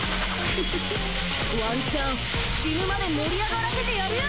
フフフワンチャン死ぬまで盛り上がらせてやるよ